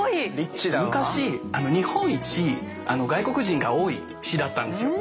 昔日本一外国人が多い市だったんですよ。